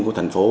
của thành phố